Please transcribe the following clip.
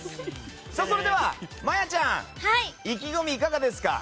まやちゃん意気込み、いかがですか？